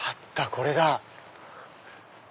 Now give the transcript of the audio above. これだ。